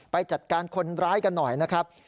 ไปจัดการคนร้ายกันหน่อยนะครับ